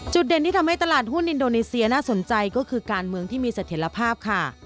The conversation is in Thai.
เด่นที่ทำให้ตลาดหุ้นอินโดนีเซียน่าสนใจก็คือการเมืองที่มีเสถียรภาพค่ะ